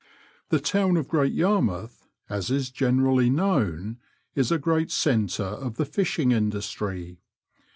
The town of Great Yarmouth, as is generally known, is a great centre of the fishing industry.